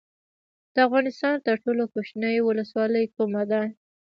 د افغانستان تر ټولو کوچنۍ ولسوالۍ کومه ده؟